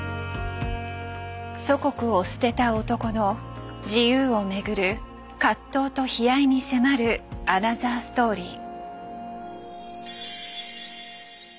祖国を捨てた男の自由を巡る葛藤と悲哀に迫るアナザーストーリー。